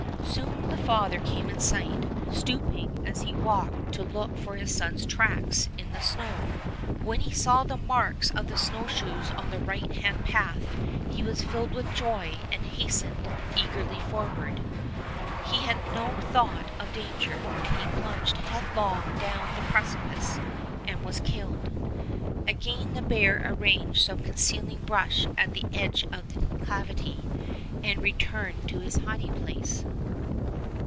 Soon the father came in sight, stooping as he walked to look for his sons' tracks in the snow. When he saw the marks of snowshoes on the right hand path he was filled with joy, and hastened eagerly forward. He had Fairy Tale Bears 73 no thought of danger, and he plunged head long down the precipice and was killed. Again the bear arranged some concealing brush at the edge of the declivity, and re turned to his hiding place.